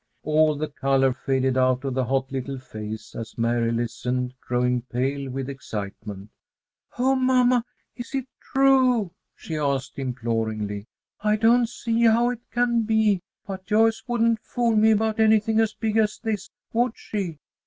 All the color faded out of the hot little face as Mary listened, growing pale with excitement. "Oh, mamma, is it true?" she asked, imploringly. "I don't see how it can be. But Joyce wouldn't fool me about anything as big as this, would she?"